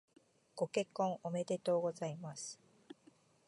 ご結婚おめでとうございます。